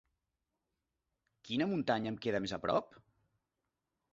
Quina muntanya em queda més aprop?